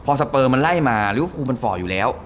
พอสเปอร์มันไล่มาลิเวฟูมันฝ่ออยู่แล้ว